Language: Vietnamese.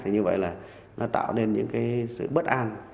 như vậy là nó tạo nên những cái sự bất an